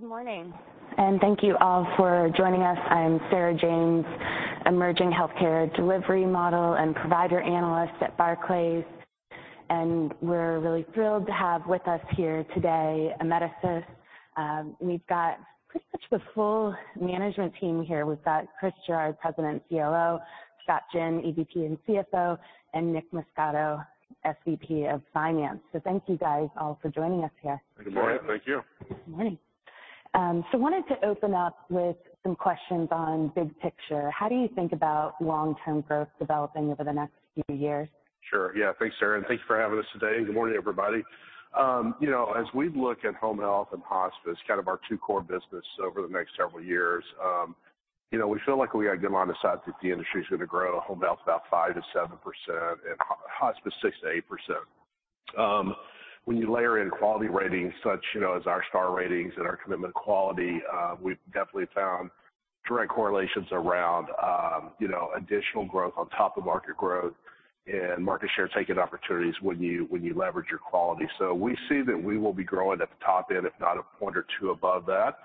Good morning, and thank you all for joining us. I'm Sarah James, Emerging Healthcare Delivery Model and Provider Analyst at Barclays. We're really thrilled to have with us here today Amedisys. We've got pretty much the full management team here. We've got Chris Gerard, President and COO, Scott Ginn, EVP and CFO, and Nick Muscato, SVP of Finance. Thank you guys all for joining us here. Good morning. Thank you. Good morning. Wanted to open up with some questions on big picture. How do you think about long-term growth developing over the next few years? Sure. Yeah. Thanks, Sarah, and thanks for having us today, and good morning, everybody. You know, as we look at home health and hospice, kind of our two core businesses over the next several years, you know, we feel like we got a good line of sight that the industry is gonna grow. Home health about 5%-7% and hospice 6%-8%. When you layer in quality ratings such as our star ratings and our commitment to quality, we've definitely found direct correlations around, you know, additional growth on top of market growth and market share takeout opportunities when you leverage your quality. We see that we will be growing at the top end, if not a point or two above that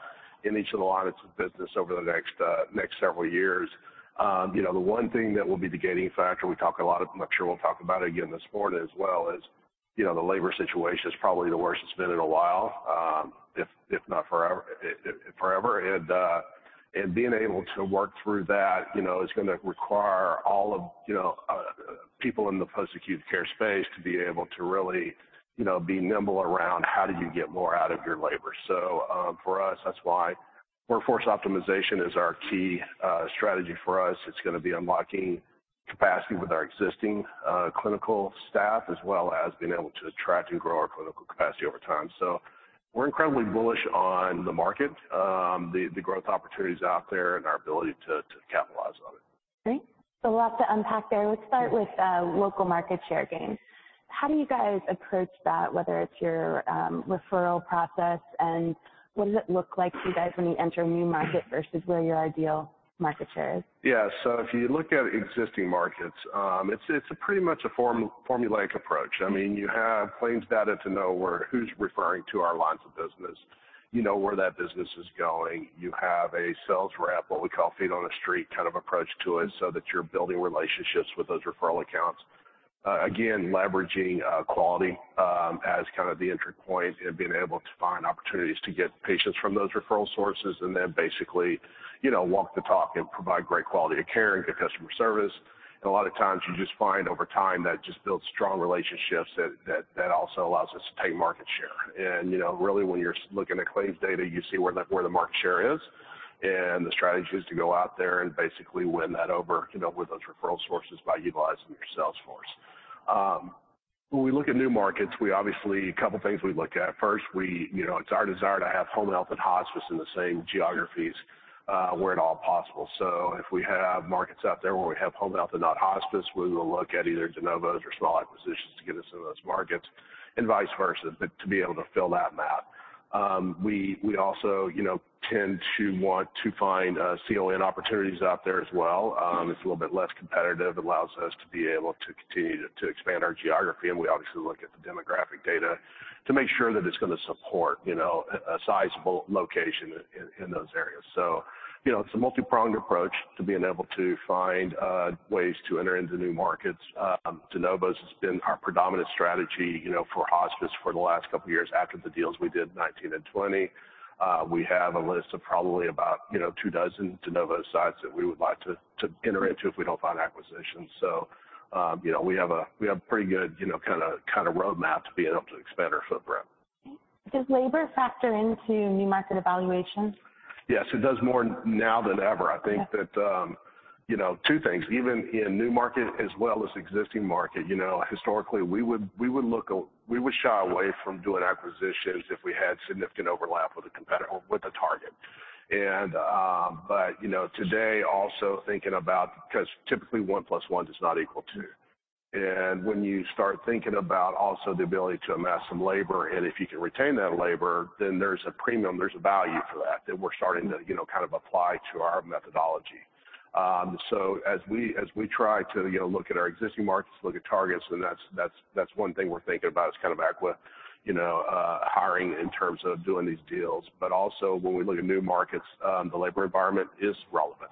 in each of the lines of business over the next several years. You know, the one thing that will be the gating factor, we talk a lot, I'm not sure we'll talk about it again this morning as well, is, you know, the labor situation is probably the worst it's been in a while, if not forever. Being able to work through that, you know, is gonna require all of, you know, people in the post-acute care space to be able to really, you know, be nimble around how do you get more out of your labor. For us, that's why workforce optimization is our key strategy for us. It's gonna be unlocking capacity with our existing clinical staff as well as being able to attract and grow our clinical capacity over time. We're incredibly bullish on the market, the growth opportunities out there and our ability to capitalize on it. Great. A lot to unpack there. Let's start with local market share gains. How do you guys approach that, whether it's your referral process and what does it look like to you guys when you enter a new market versus where your ideal market share is? Yeah. If you look at existing markets, it's a pretty much formulaic approach. I mean, you have claims data to know where who's referring to our lines of business. You know where that business is going. You have a sales rep, what we call feet on the street kind of approach to it, so that you're building relationships with those referral accounts. Again, leveraging quality as kind of the entry point and being able to find opportunities to get patients from those referral sources and then basically, you know, walk the talk and provide great quality of care and good customer service. A lot of times you just find over time that just builds strong relationships that also allows us to take market share. You know, really, when you're looking at claims data, you see where the market share is, and the strategy is to go out there and basically win that over, you know, with those referral sources by utilizing your sales force. When we look at new markets, couple things we look at. First, you know, it's our desire to have home health and hospice in the same geographies where at all possible. If we have markets out there where we have home health and not hospice, we will look at either de novos or small acquisitions to get us into those markets and vice versa to be able to fill that map. We also, you know, tend to want to find CON opportunities out there as well. It's a little bit less competitive. It allows us to be able to continue to expand our geography, and we obviously look at the demographic data to make sure that it's gonna support, you know, a sizable location in those areas. You know, it's a multi-pronged approach to being able to find ways to enter into new markets. De novos has been our predominant strategy, you know, for hospice for the last couple of years after the deals we did in 2019 and 2020. We have a list of probably about, you know, 24 de novo sites that we would like to enter into if we don't find acquisitions. You know, we have a pretty good, you know, kinda roadmap to being able to expand our footprint. Okay. Does labor factor into new market evaluations? Yes, it does more now than ever. Okay. I think that, you know, two things, even in new market as well as existing market, you know, historically, we would shy away from doing acquisitions if we had significant overlap with a competitor with a target. You know, today, also thinking about 'cause typically one plus one does not equal two. When you start thinking about also the ability to amass some labor, and if you can retain that labor, then there's a premium, there's a value for that we're starting to, you know, kind of apply to our methodology. As we try to, you know, look at our existing markets, look at targets, then that's one thing we're thinking about is kind of, you know, hiring in terms of doing these deals. When we look at new markets, the labor environment is relevant.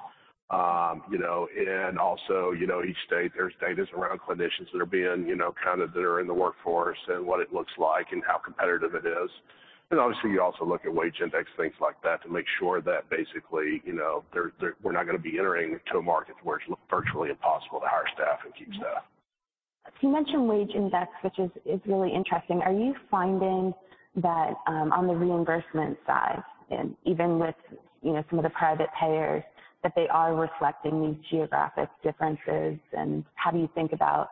You know, also, you know, each state, there's data around clinicians that are in the workforce and what it looks like and how competitive it is. Obviously, you also look at wage index, things like that, to make sure that basically, you know, there we're not gonna be entering into a market where it's virtually impossible to hire staff and keep staff. You mentioned wage index, which is really interesting. Are you finding that on the reimbursement side and even with, you know, some of the private payers, that they are reflecting these geographic differences? How do you think about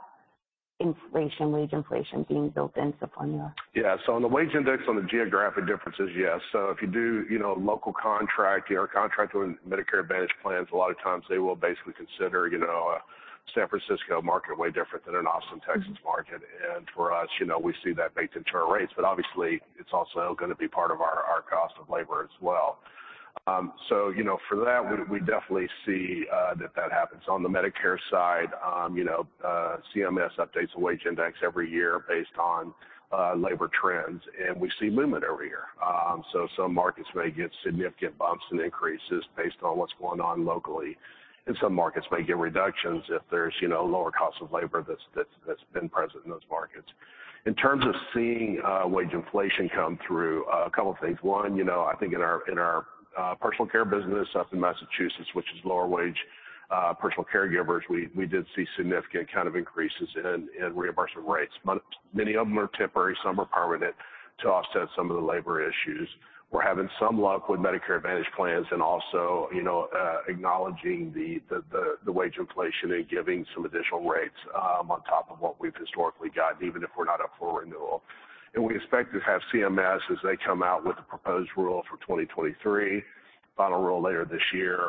inflation, wage inflation being built into the formula? Yeah. On the wage index, on the geographic differences, yes. If you do, you know, local contract or contract with Medicare Advantage plans, a lot of times they will basically consider, you know, a San Francisco market way different than an Austin, Texas market. For us, you know, we see that baked into our rates, but obviously it's also gonna be part of our cost of labor as well. For that, you know, we definitely see that happens. On the Medicare side, you know, CMS updates the wage index every year based on labor trends, and we see movement every year. Some markets may get significant bumps and increases based on what's going on locally, and some markets may get reductions if there's, you know, lower cost of labor that's been present in those markets. In terms of seeing wage inflation come through, a couple things. One, you know, I think in our personal care business up in Massachusetts, which is lower wage personal caregivers, we did see significant kind of increases in reimbursement rates. Many of them are temporary, some are permanent to offset some of the labor issues. We're having some luck with Medicare Advantage plans and also, you know, acknowledging the wage inflation and giving some additional rates on top of what we've historically gotten, even if we're not up for renewal. We expect to have CMS as they come out with a proposed rule for 2023, final rule later this year,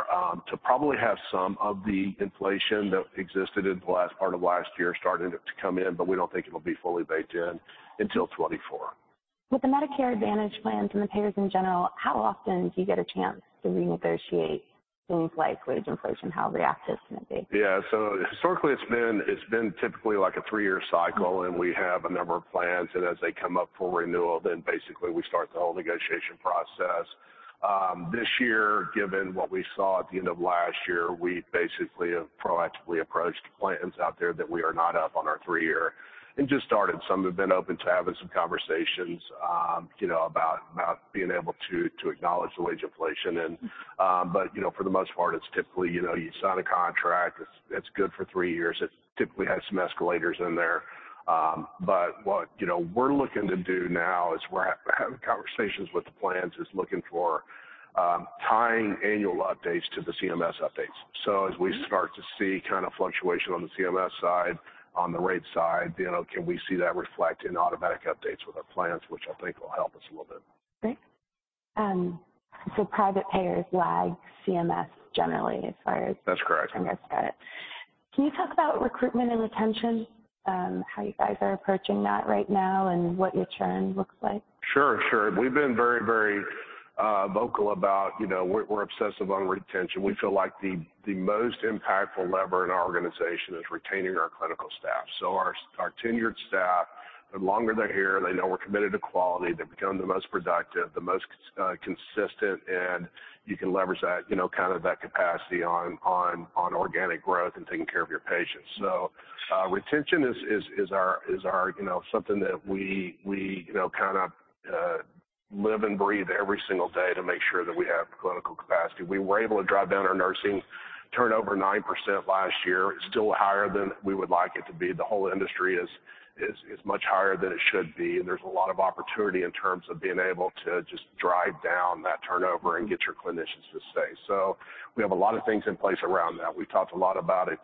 to probably have some of the inflation that existed in the last part of last year starting to come in, but we don't think it'll be fully baked in until 2024. With the Medicare Advantage plans and the payers in general, how often do you get a chance to renegotiate things like wage inflation? How reactive can it be? Historically, it's been typically like a three-year cycle, and we have a number of plans, and as they come up for renewal, basically we start the whole negotiation process. This year, given what we saw at the end of last year, we basically have proactively approached plans out there that we are not up on our three-year and just started. Some have been open to having some conversations, you know, about being able to acknowledge the wage inflation. For the most part, it's typically, you know, you sign a contract, it's good for three years. It typically has some escalators in there. What, you know, we're looking to do now is we're having conversations with the plans looking for tying annual updates to the CMS updates. As we start to see kinda fluctuation on the CMS side, on the rate side, you know, can we see that reflect in automatic updates with our plans, which I think will help us a little bit. Great. Private payers lag CMS generally as far as- That's correct. From your perspective. Can you talk about recruitment and retention, how you guys are approaching that right now and what your churn looks like? Sure. We've been very vocal about, you know, we're obsessive on retention. We feel like the most impactful lever in our organization is retaining our clinical staff. Our tenured staff, the longer they're here, they know we're committed to quality, they become the most productive, the most consistent, and you can leverage that, you know, kind of that capacity on organic growth and taking care of your patients. Retention is our, you know, something that we, you know, kinda live and breathe every single day to make sure that we have clinical capacity. We were able to drive down our nursing turnover 9% last year. It's still higher than we would like it to be. The whole industry is much higher than it should be, and there's a lot of opportunity in terms of being able to just drive down that turnover and get your clinicians to stay. We have a lot of things in place around that. We've talked a lot about a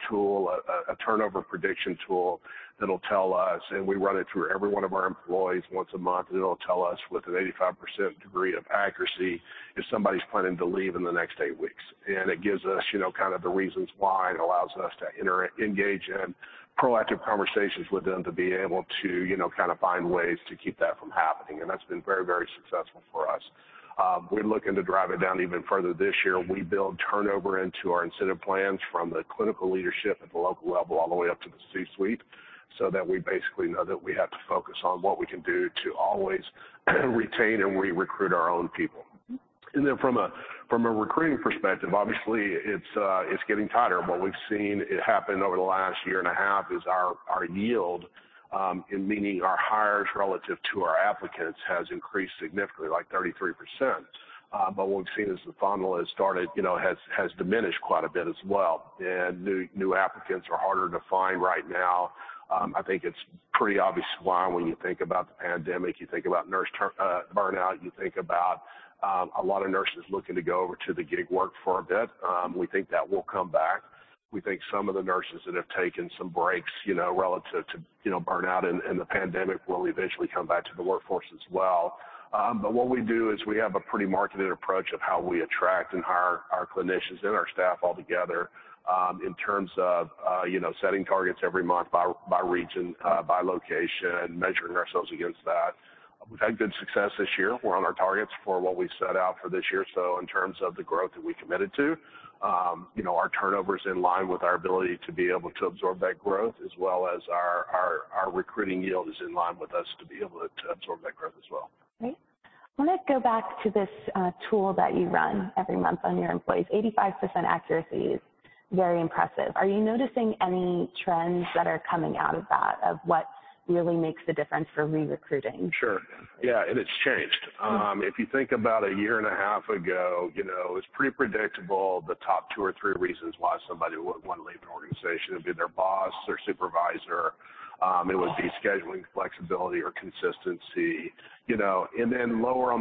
turnover prediction tool that'll tell us, and we run it through every one of our employees once a month, and it'll tell us with an 85% degree of accuracy if somebody's planning to leave in the next eight weeks. It gives us, you know, kind of the reasons why and allows us to engage in proactive conversations with them to be able to, you know, kinda find ways to keep that from happening. That's been very, very successful for us. We're looking to drive it down even further this year. We build turnover into our incentive plans from the clinical leadership at the local level all the way up to the C-suite, so that we basically know that we have to focus on what we can do to always retain and re-recruit our own people. From a recruiting perspective, obviously, it's getting tighter. What we've seen happen over the last year and a half is our yield and meaning our hires relative to our applicants has increased significantly, like 33%. What we've seen is the funnel has diminished quite a bit as well, and new applicants are harder to find right now. I think it's pretty obvious why when you think about the pandemic, you think about burnout, you think about a lot of nurses looking to go over to the gig work for a bit. We think that will come back. We think some of the nurses that have taken some breaks, you know, relative to, you know, burnout and the pandemic will eventually come back to the workforce as well. What we do is we have a pretty marketed approach of how we attract and hire our clinicians and our staff all together, in terms of, you know, setting targets every month by region, by location, measuring ourselves against that. We've had good success this year. We're on our targets for what we set out for this year. In terms of the growth that we committed to, you know, our turnover is in line with our ability to be able to absorb that growth as well as our recruiting yield is in line with us to be able to absorb that growth as well. Great. I wanna go back to this tool that you run every month on your employees. 85% accuracy is very impressive. Are you noticing any trends that are coming out of that, of what really makes the difference for recruiting? Sure. Yeah, it's changed. If you think about a year and a half ago, you know, it was pretty predictable, the top two or three reasons why somebody would wanna leave an organization. It'd be their boss, their supervisor, it would be scheduling flexibility or consistency, you know. Lower on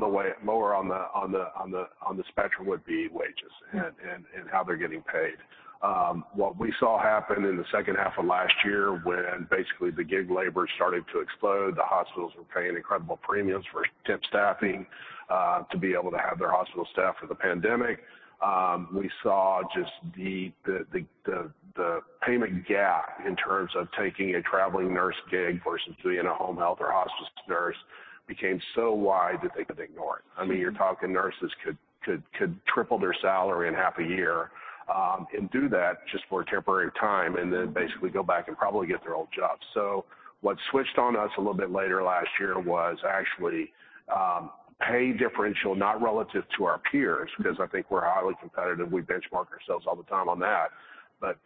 the spectrum would be wages and how they're getting paid. What we saw happen in the second half of last year when basically the gig labor started to explode, the hospitals were paying incredible premiums for temp staffing to be able to have their hospital staffed for the pandemic. We saw just the payment gap in terms of taking a traveling nurse gig versus being a home health or hospice nurse became so wide that they could ignore it. I mean, you're talking nurses could triple their salary in half a year, and do that just for a temporary time and then basically go back and probably get their old job. What switched on us a little bit later last year was actually pay differential, not relative to our peers, because I think we're highly competitive. We benchmark ourselves all the time on that.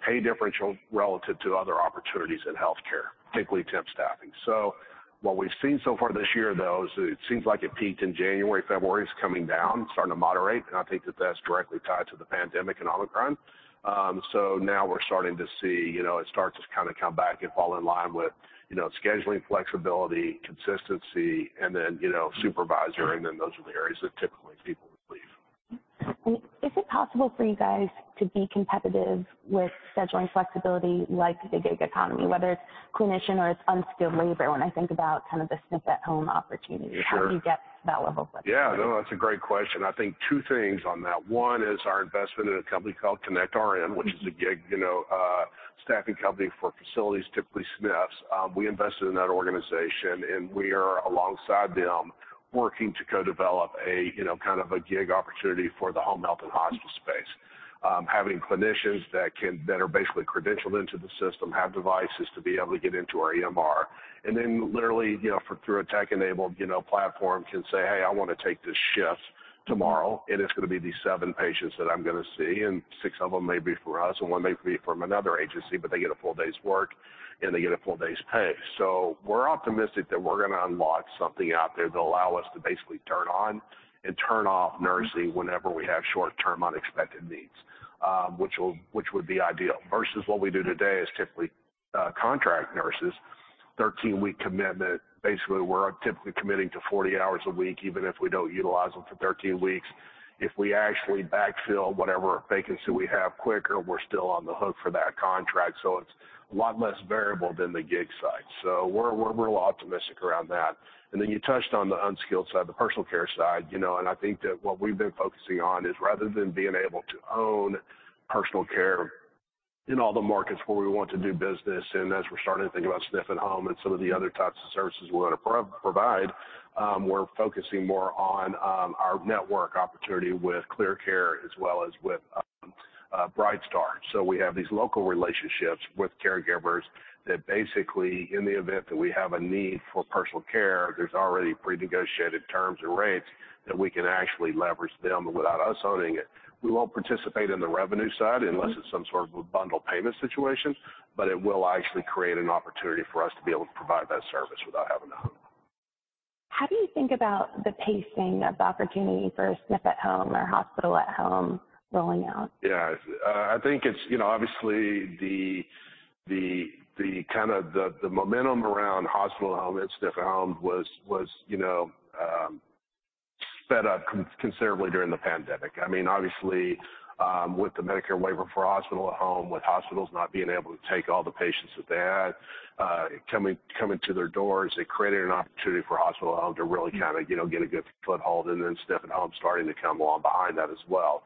Pay differential relative to other opportunities in healthcare, particularly temp staffing. What we've seen so far this year, though, is it seems like it peaked in January. February, it's coming down, starting to moderate, and I think that that's directly tied to the pandemic and Omicron. Now we're starting to see, you know, it start to kind of come back and fall in line with, you know, scheduling flexibility, consistency, and then, you know, supervisory, and then those are the areas that typically people would leave. Is it possible for you guys to be competitive with scheduling flexibility like the gig economy, whether it's clinician or it's unskilled labor? When I think about kind of the SNF at home opportunity. Sure. How do you get to that level of flexibility? Yeah, no, that's a great question. I think two things on that. One is our investment in a company called connectRN, which is a gig, you know, staffing company for facilities, typically SNFs. We invested in that organization, and we are alongside them working to co-develop a, you know, kind of a gig opportunity for the home health and hospice space, having clinicians that are basically credentialed into the system, have devices to be able to get into our EMR. Then literally, you know, through a tech-enabled, you know, platform, can say, "Hey, I wanna take this shift tomorrow, and it's gonna be these seven patients that I'm gonna see." Six of them may be from us, and one may be from another agency. They get a full day's work, and they get a full day's pay. We're optimistic that we're gonna unlock something out there that'll allow us to basically turn on and turn off nursing whenever we have short-term unexpected needs, which would be ideal. Versus what we do today is typically contract nurses, 13-week commitment. Basically, we're typically committing to 40 hours a week, even if we don't utilize them for 13 weeks. If we actually backfill whatever vacancy we have quicker, we're still on the hook for that contract, so it's a lot less variable than the gig side. We're real optimistic around that. You touched on the unskilled side, the personal care side, you know, and I think that what we've been focusing on is rather than being able to own personal care in all the markets where we want to do business and as we're starting to think about SNF at home and some of the other types of services we wanna provide, we're focusing more on our network opportunity with ClearCare as well as with BrightStar Care. We have these local relationships with caregivers that basically, in the event that we have a need for personal care, there's already prenegotiated terms and rates that we can actually leverage them without us owning it. We won't participate in the revenue side unless it's some sort of a bundled payment situation, but it will actually create an opportunity for us to be able to provide that service without having to own it. How do you think about the pacing of the opportunity for SNF at home or hospital at home rolling out? I think it's obviously the kind of momentum around hospital at home and SNF at home was sped up considerably during the pandemic. With the Medicare waiver for hospital at home, with hospitals not being able to take all the patients that they had coming to their doors, it created an opportunity for hospital at home to really get a good foothold, and then SNF at home starting to come along behind that as well.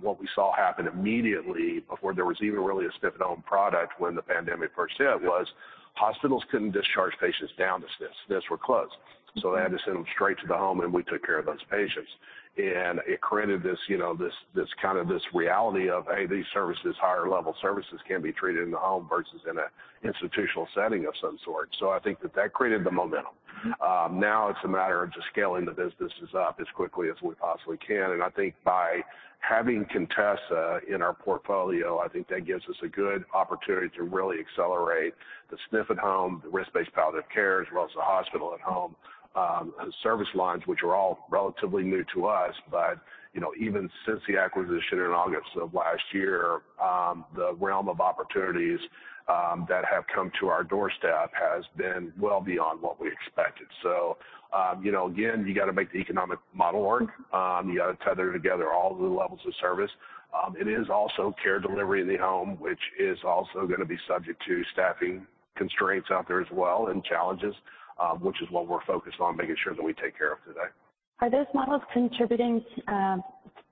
What we saw happen immediately before there was even really a SNF at home product when the pandemic first hit was hospitals couldn't discharge patients down to SNFs. SNFs were closed. They had to send them straight to the home, and we took care of those patients. It created this, you know, kind of reality of, hey, these services, higher level services, can be treated in the home versus in an institutional setting of some sort. I think that created the momentum. Now it's a matter of just scaling the businesses up as quickly as we possibly can. I think by having Contessa in our portfolio, I think that gives us a good opportunity to really accelerate the SNF at home, the risk-based palliative care, as well as the hospital at home service lines, which are all relatively new to us. You know, even since the acquisition in August of last year, the realm of opportunities that have come to our doorstep has been well beyond what we expected. You know, again, you gotta make the economic model work. You gotta tether together all the levels of service. It is also care delivery in the home, which is also gonna be subject to staffing constraints out there as well and challenges, which is what we're focused on making sure that we take care of today. Are those models contributing,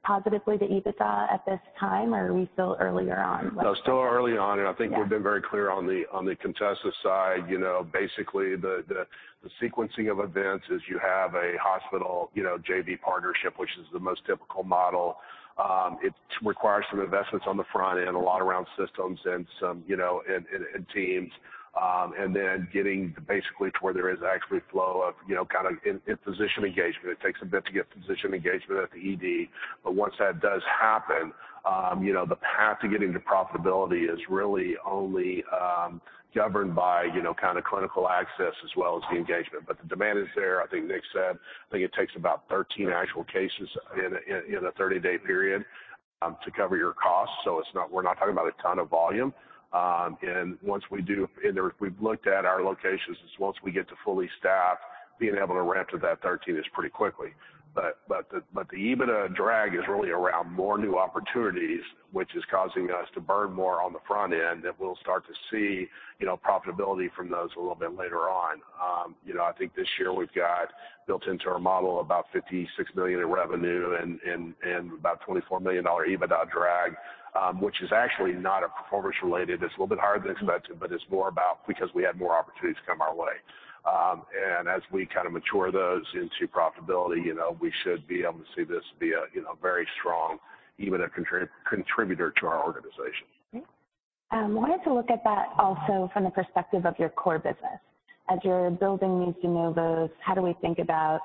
positively to EBITDA at this time, or are we still earlier on in that process? No, still early on. Yeah. I think we've been very clear on the Contessa side. You know, basically the sequencing of events is you have a hospital, you know, JV partnership, which is the most difficult model. It requires some investments on the front end, a lot around systems and some, you know, and teams. Then getting basically to where there is actually flow of, you know, kind of in physician engagement. It takes a bit to get physician engagement at the ED. Once that does happen, you know, the path to getting to profitability is really only governed by, you know, kind of clinical access as well as the engagement. The demand is there. I think Nick said, I think it takes about 13 actual cases in a 30-day period to cover your costs. We're not talking about a ton of volume. We've looked at our locations. Once we get to fully staffed, being able to ramp to that 13 is pretty quick. The EBITDA drag is really around more new opportunities, which is causing us to burn more on the front end, that we'll start to see, you know, profitability from those a little bit later on. You know, I think this year we've got built into our model about $56 million in revenue and about $24 million EBITDA drag, which is actually not performance related. It's a little bit higher than expected, but it's more about because we had more opportunities come our way. As we kinda mature those into profitability, you know, we should be able to see this be a, you know, very strong EBITDA contributor to our organization. Okay. Wanted to look at that also from the perspective of your core business. As you're building these de novos, how do we think about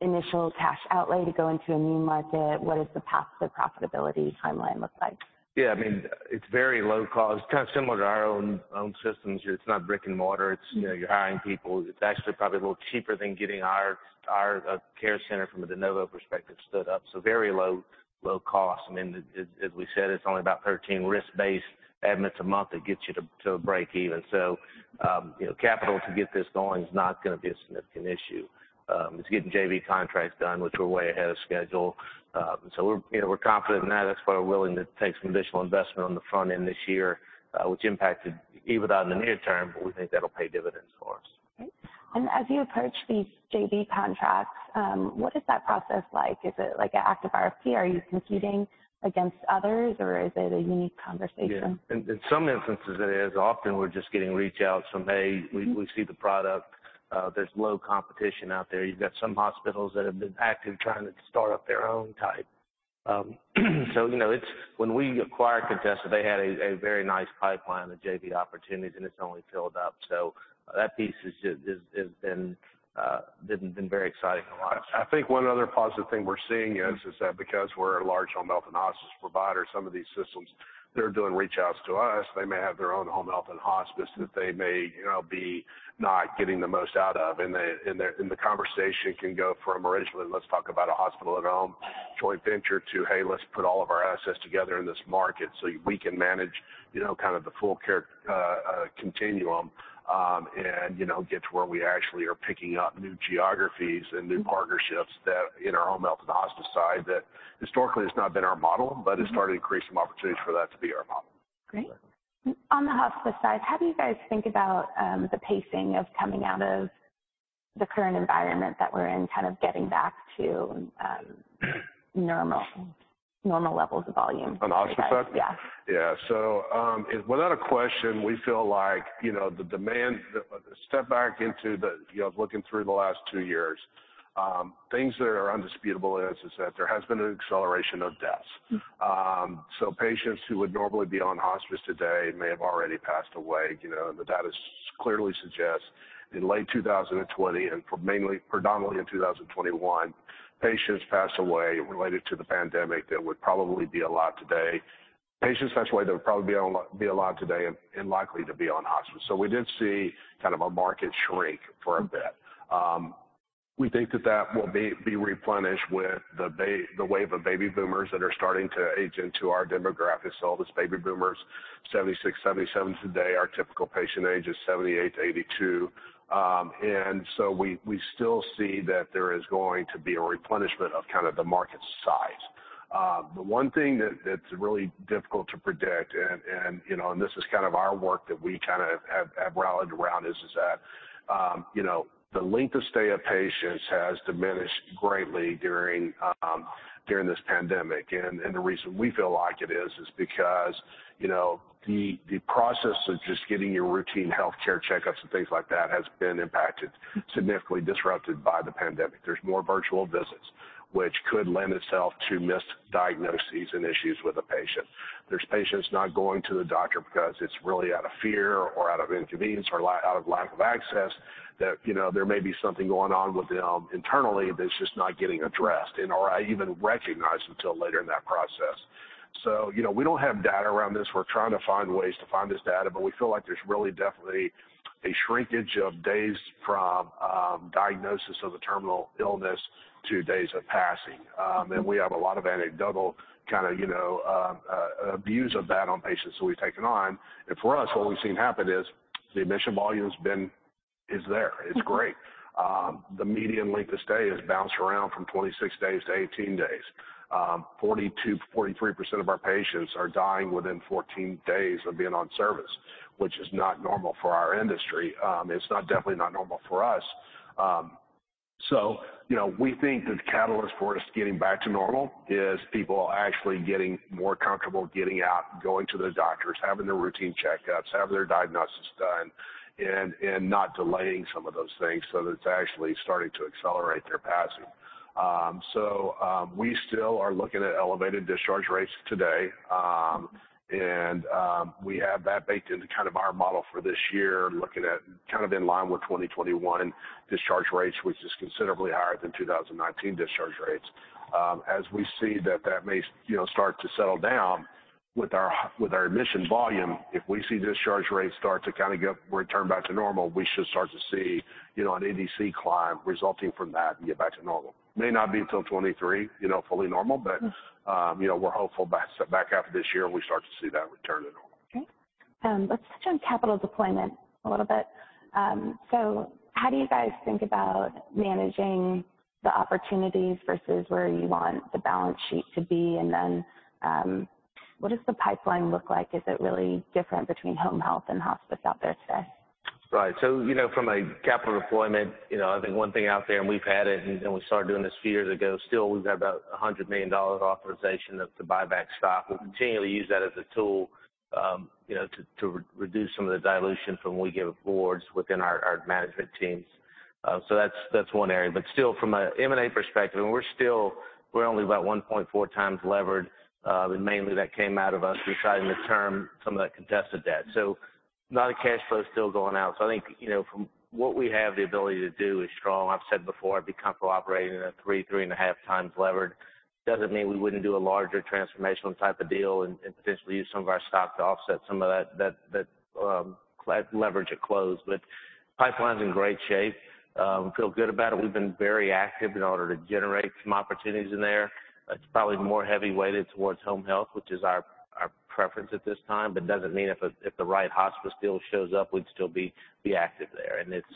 initial cash outlay to go into a new market? What does the path to profitability timeline look like? Yeah. I mean, it's very low cost. Kinda similar to our own systems. It's not brick-and-mortar. It's, you know, you're hiring people. It's actually probably a little cheaper than getting our care center from a de novo perspective stood up, so very low cost. I mean, as we said, it's only about 13 risk-based admits a month that gets you to a breakeven. You know, capital to get this going is not gonna be a significant issue. It's getting JV contracts done, which we're way ahead of schedule. We're, you know, confident in that. That's why we're willing to take some additional investment on the front end this year, which impacted EBITDA in the near term, but we think that'll pay dividends for us. Okay. As you approach these JV contracts, what is that process like? Is it like an active RFP? Are you competing against others or is it a unique conversation? Yeah. In some instances it is. Often, we're just getting reach outs from, "Hey, we see the product." There's low competition out there. You've got some hospitals that have been active trying to start up their own type. You know, it's. When we acquired Contessa, they had a very nice pipeline of JV opportunities, and it's only filled up. That piece has just been very exciting to watch. I think one other positive thing we're seeing is that because we're a large home health and hospice provider, some of these systems, they're doing reach outs to us. They may have their own home health and hospice that they may, you know, be not getting the most out of. The conversation can go from originally, let's talk about a hospital at home joint venture to, "Hey, let's put all of our assets together in this market so we can manage, you know, kind of the full care continuum," and, you know, get to where we actually are picking up new geographies and new partnerships that in our home health and hospice side, that historically has not been our model, but it's started to create some opportunities for that to be our model. Great. On the hospice side, how do you guys think about the pacing of coming out of the current environment that we're in, kind of getting back to normal levels of volume for you guys? On hospice side? Yeah. Yeah. Without a question, we feel like, you know, the demand. A step back into the, you know, looking through the last two years, things that are indisputable is that there has been an acceleration of deaths. Patients who would normally be on hospice today may have already passed away, you know. The data clearly suggests in late 2020, and mainly, predominantly in 2021, patients passed away related to the pandemic that would probably be alive today. Patients passed away that would probably be alive today and likely to be on hospice. We did see kind of a market shrink for a bit. We think that will be replenished with the wave of baby boomers that are starting to age into our demographic. All these baby boomers, 1976, 1977. Today, our typical patient age is 78-82. We still see that there is going to be a replenishment of kind of the market size. The one thing that's really difficult to predict and, you know, and this is kind of our work that we kinda have rallied around is that, you know, the length of stay of patients has diminished greatly during this pandemic. The reason we feel like it is because, you know, the process of just getting your routine healthcare checkups and things like that has been impacted, significantly disrupted by the pandemic. There's more virtual visits, which could lend itself to misdiagnoses and issues with a patient. There are patients not going to the doctor because it's really out of fear or out of inconvenience or out of lack of access, that, you know, there may be something going on with them internally that's just not getting addressed and/or even recognized until later in that process. You know, we don't have data around this. We're trying to find ways to find this data, but we feel like there's really definitely a shrinkage of days from diagnosis of a terminal illness to days of passing. We have a lot of anecdotal kinda, you know, views of that on patients who we've taken on. For us, what we've seen happen is the admission volume is there. It's great. The median length of stay has bounced around from 26 days to 18 days. 42%-43% of our patients are dying within 14 days of being on service, which is not normal for our industry. It's not, definitely not normal for us. You know, we think the catalyst for us getting back to normal is people actually getting more comfortable getting out, going to their doctors, having their routine checkups, having their diagnosis done, and not delaying some of those things so that it's actually starting to accelerate their passing. We still are looking at elevated discharge rates today. We have that baked into kind of our model for this year, looking at kind of in line with 2021 discharge rates, which is considerably higher than 2019 discharge rates. As we see that may, you know, start to settle down with our admission volume, if we see discharge rates start to kinda get returned back to normal, we should start to see, you know, an ADC climb resulting from that and get back to normal. May not be till 2023, you know, fully normal, but, you know, we're hopeful back half of this year, we start to see that return to normal. Okay. Let's touch on capital deployment a little bit. How do you guys think about managing the opportunities versus where you want the balance sheet to be? What does the pipeline look like? Is it really different between home health and hospice out there today? Right. From a capital deployment, you know, I think one thing out there, and we've had it and we started doing this a few years ago, still we've got about $100 million authorization to buy back stock. We continually use that as a tool, you know, to reduce some of the dilution from when we give awards within our management teams. That's one area. From an M&A perspective, we're only about 1.4x levered. But mainly that came out of us deciding to term some of that Contessa debt. A lot of cash flow is still going out. I think, you know, from what we have, the ability to do is strong. I've said before, I'd be comfortable operating at 3x-3.5x levered. Doesn't mean we wouldn't do a larger transformational type of deal and potentially use some of our stock to offset some of that levered at close. Pipeline's in great shape. Feel good about it. We've been very active in order to generate some opportunities in there. It's probably more heavily weighted towards home health, which is our preference at this time, but doesn't mean if the right hospice deal shows up, we'd still be active there. It's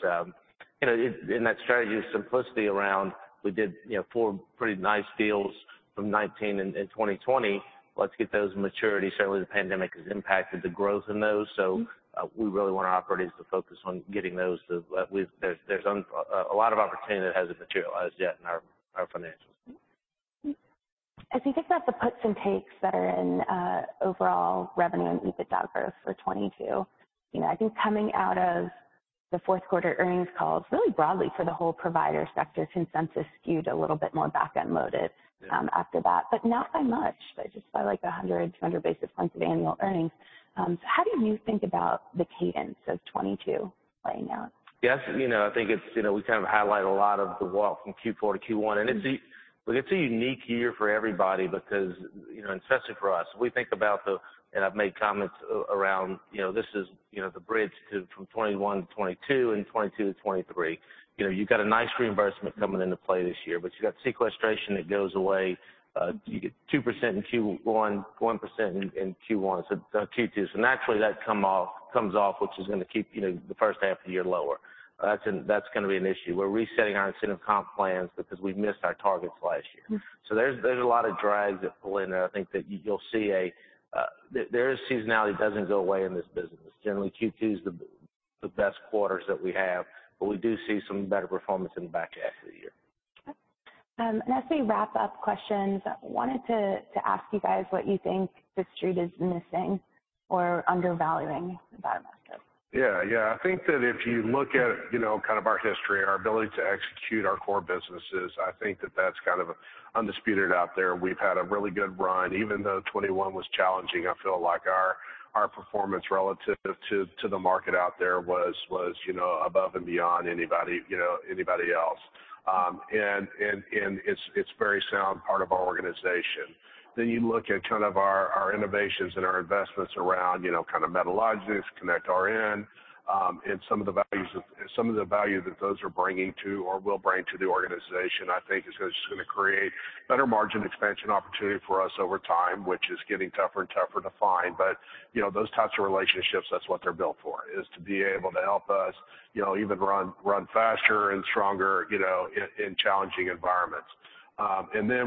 you know in that strategy of simplicity around we did you know four pretty nice deals from 2019 and 2020. Let's get those to maturity. Certainly the pandemic has impacted the growth in those. We really want our operations to focus on getting those to at least there's a lot of opportunity that hasn't materialized yet in our financials. As you think about the puts and takes that are in overall revenue and EBITDA growth for 2022, you know, I think coming out of the fourth quarter earnings calls really broadly for the whole provider sector, consensus skewed a little bit more back-end loaded after that, but not by much, but just by like 100-200 basis points of annual earnings. How do you think about the cadence of 2022 playing out? Yes. You know, I think it's, you know, we kind of highlight a lot of the walk from Q4 to Q1. Look, it's a unique year for everybody because, you know, and especially for us. We think about and I've made comments around, you know, this is, you know, the bridge to from 2021 to 2022 and 2022 to 2023. You know, you've got a nice reimbursement coming into play this year, but you've got sequestration that goes away. You get 2% in Q1, 1% in Q1, so Q2. Naturally that comes off, which is gonna keep, you know, the first half of the year lower. That's gonna be an issue. We're resetting our incentive comp plans because we missed our targets last year. Mm-hmm. There's a lot of drags that pull in there. I think that you'll see there is seasonality doesn't go away in this business. Generally Q2 is the best quarters that we have, but we do see some better performance in the back half of the year. Okay. As we wrap up questions, I wanted to ask you guys what you think the street is missing or undervaluing about Amedisys? I think that if you look at, you know, kind of our history, our ability to execute our core businesses, I think that that's kind of undisputed out there. We've had a really good run. Even though 2021 was challenging, I feel like our performance relative to the market out there was, you know, above and beyond anybody else. And it's very sound part of our organization. You look at kind of our innovations and our investments around, you know, kind of medical logistics, connectRN, and some of the value that those are bringing to or will bring to the organization, I think is just gonna create better margin expansion opportunity for us over time, which is getting tougher and tougher to find. You know, those types of relationships, that's what they're built for, is to be able to help us, you know, even run faster and stronger, you know, in challenging environments.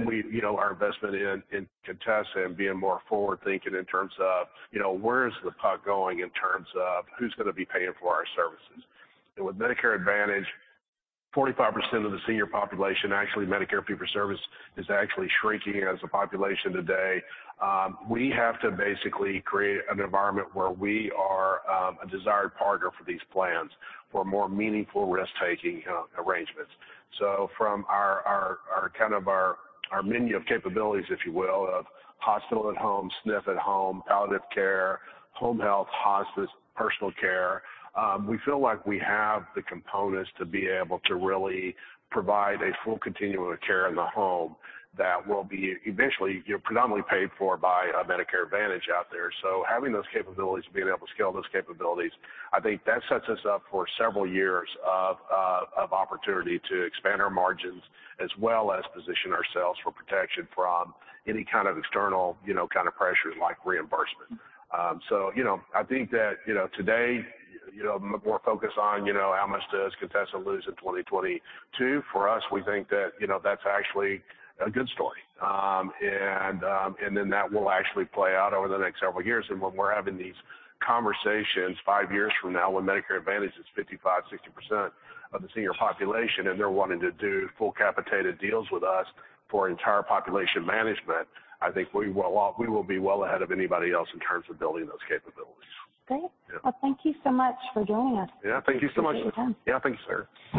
We, you know, our investment in Contessa and being more forward-thinking in terms of, you know, where is the puck going in terms of who's gonna be paying for our services? With Medicare Advantage, 45% of the senior population, actually Medicare fee for service is actually shrinking as a population today. We have to basically create an environment where we are a desired partner for these plans for more meaningful risk-taking arrangements. From our kind of menu of capabilities, if you will, of hospital at home, SNF at home, palliative care, home health, hospice, personal care, we feel like we have the components to be able to really provide a full continuum of care in the home that will be eventually, you know, predominantly paid for by Medicare Advantage out there. Having those capabilities and being able to scale those capabilities, I think that sets us up for several years of opportunity to expand our margins as well as position ourselves for protection from any kind of external, you know, kind of pressures like reimbursement. You know, I think that today, you know, more focus on how much does Contessa lose in 2022. For us, we think that, you know, that's actually a good story. That will actually play out over the next several years. When we're having these conversations five years from now, when Medicare Advantage is 55%-60% of the senior population, and they're wanting to do full capitated deals with us for entire population management, I think we will be well ahead of anybody else in terms of building those capabilities. Great. Yeah. Well, thank you so much for joining us. Yeah. Thank you so much. Appreciate your time. Yeah. Thank you, Sarah.